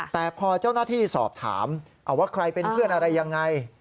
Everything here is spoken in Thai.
แต่พอเจ้าหน้าที่สอบถามว่าใครเป็นเพื่อนอะไรยังไง